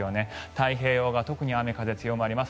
太平洋側特に雨、風が強まります。